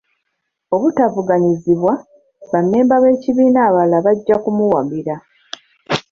Obutavuganyizibwa, bammemba b'ekibiina abalala bajja kumuwagira.